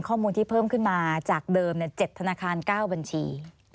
ข้อมูลที่เพิ่มขึ้นมาจากเดิม๗ธนาคาร๙บัญชี